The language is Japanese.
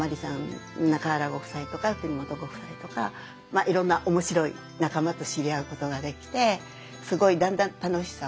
中原ご夫妻とか國本ご夫妻とかいろんなおもしろい仲間と知り合うことができてすごいだんだん楽しさを。